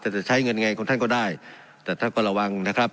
แต่จะใช้เงินไงของท่านก็ได้แต่ท่านก็ระวังนะครับ